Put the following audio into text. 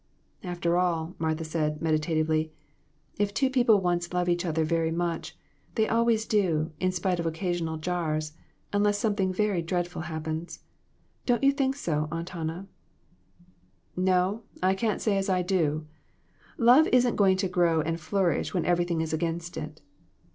"After all," Martha said, meditatively, "if two people once love each other very much, they always do, in spite of occasional jars, unless some thing very dreadful ^happens. Don't you think so, Aunt Hannah?" " No, I can't say as I do. Love isn't going to grow and flourish when everything is against it.